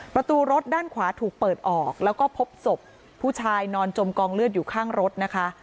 ประตูรถด้านขวาถูกเปิดออกแล้วก็พบศพผู้ชายนอนจมกองเลือดอยู่ข้างรถนะคะ